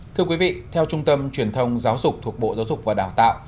thưa quý vị theo trung tâm truyền thông giáo dục thuộc bộ giáo dục và đào tạo